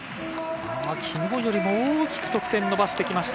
昨日よりも大きく得点を伸ばしてきました。